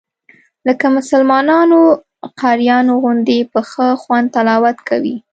لکه مسلمانانو قاریانو غوندې په ښه خوند تلاوت کوي.